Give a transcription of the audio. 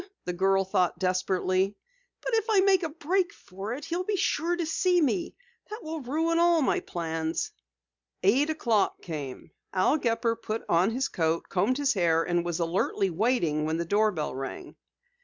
the girl thought desperately. "But if I make a break for it he'll be sure to see me. That will ruin all my plans." Eight o'clock came. Al Gepper put on his coat, combed his hair and was alertly waiting when the doorbell rang.